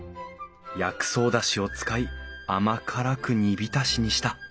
薬草だしを使い甘辛く煮びたしにした。